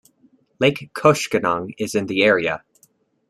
Lake Koshkonong is in the area.